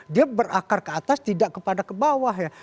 dia berakar ke atas tidak kepada ke bawah ya